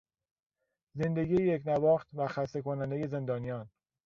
زندگی یکنواخت و خسته کنندهی زندانیان